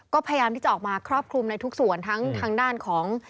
ก็พยายามที่จะออกมาครอบคลุมในทุกส่วนทั้งทางด้านของ